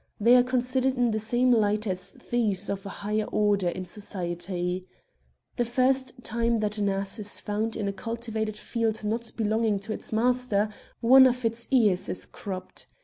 They are considered in the same light as thieves of a higher order in society. The first time that an ass is found in a cultivated field not belonging to its master, one of its ears is cropped.